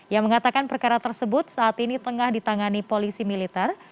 yang mengatakan perkara tersebut saat ini tengah ditangani polisi militer